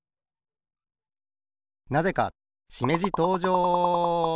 なぜかしめじとうじょう！